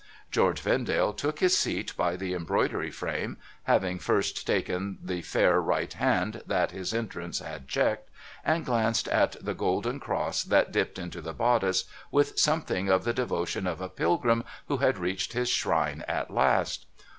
George Vendale took his seat by the embroidery frame (having first taken the fair right hand that his entrance had checked), and glanced at the gold cross that dipped into the bodice, with something of the devotion of a pilgrim who had reached his shrine at last.